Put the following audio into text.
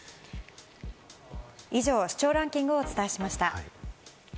以上、視聴ランキングをお伝えしました。